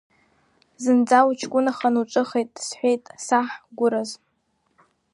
Зынӡа уҷкәынаханы уҿыхеит, — сҳәеит, саҳ гәыраз.